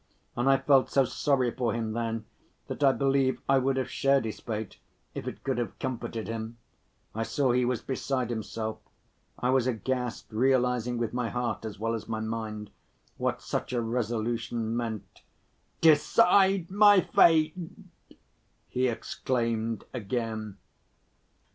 And I felt so sorry for him then, that I believe I would have shared his fate if it could have comforted him. I saw he was beside himself. I was aghast, realizing with my heart as well as my mind what such a resolution meant. "Decide my fate!" he exclaimed again.